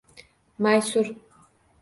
Maysur